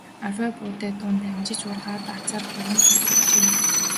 Арвай буудай дунд амжиж ургаад азаар гурван сар болжээ.